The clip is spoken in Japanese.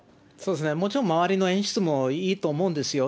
もちろん周りの演出もいいと思うんですよ。